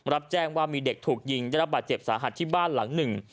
รับแจ้งว่ามีเด็กถูกยิงได้รับบาดเจ็บสาหัสที่บ้านหลังหนึ่ง